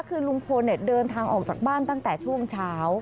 คือลุงพลเดินทางออกจากบ้านตั้งแต่ช่วงเช้า